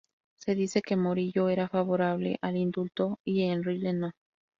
Se dice que Morillo era favorable al indulto y Enrile no.